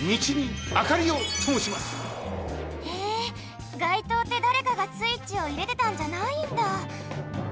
へえがいとうってだれかがスイッチをいれてたんじゃないんだ！